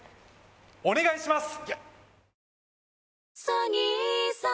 お願いします